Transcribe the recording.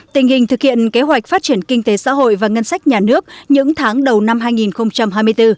tình hình thực hiện kế hoạch phát triển kinh tế xã hội và ngân sách nhà nước những tháng đầu năm hai nghìn hai mươi bốn